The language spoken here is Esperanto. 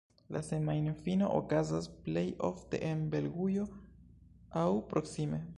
La semajnfino okazas plej ofte en Belgujo aŭ proksime.